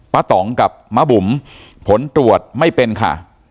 ต่องกับม้าบุ๋มผลตรวจไม่เป็นค่ะ